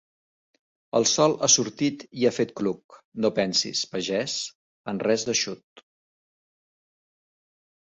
El sol ha sortit i ha fet cluc, no pensis, pagès, en res d'eixut.